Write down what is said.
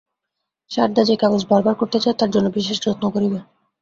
সারদা যে কাগজ বার করতে চায়, তার জন্য বিশেষ যত্ন করিবে।